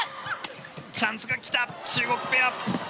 チャンスが来た中国ペア。